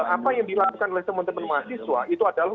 apa yang dilakukan oleh teman teman mahasiswa itu adalah